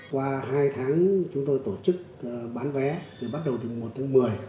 qua hai tháng chúng tôi tổ chức bán vé bắt đầu từ mùa thứ một mươi